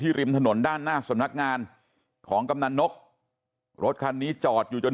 ริมถนนด้านหน้าสำนักงานของกำนันนกรถคันนี้จอดอยู่จน